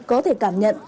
có thể cảm nhận